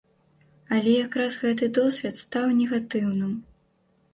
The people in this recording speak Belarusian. Але якраз гэты досвед стаў негатыўным.